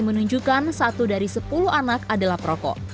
menunjukkan satu dari sepuluh anak adalah perokok